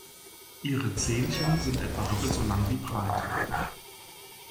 Ihre Zähnchen sind etwa doppelt so lang wie breit.